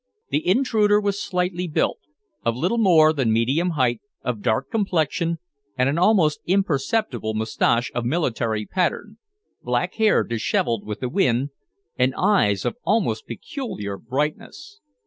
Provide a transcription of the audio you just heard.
The intruder was slightly built, of little more than medium height, of dark complexion, with an almost imperceptible moustache of military pattern, black hair dishevelled with the wind, and eyes of almost peculiar brightness.